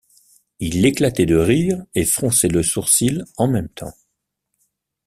Il éclatait de rire et fronçait le sourcil en même temps.